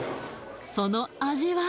その味は？